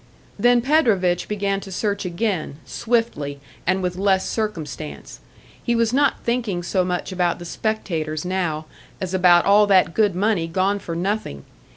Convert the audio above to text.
Then Predovich began to search again, swiftly, and with less circumstance. He was not thinking so much about the spectators now, as about all that good money gone for nothing!